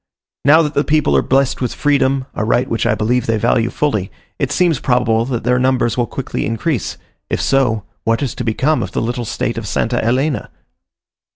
Now that the people are blessed with freedom, a right which I believe they value fully, it seems probable that their numbers will quickly increase: if so, what is to become of the little state of St. Helena?